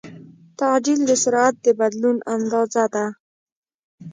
تعجیل د سرعت د بدلون اندازه ده.